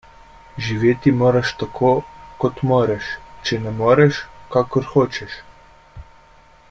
Živeti moraš tako, kot moreš, če ne moreš, kakor hočeš.